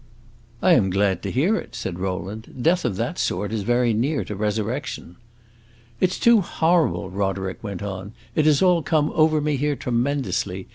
"I am glad to hear it," said Rowland. "Death of that sort is very near to resurrection." "It 's too horrible," Roderick went on; "it has all come over me here tremendously!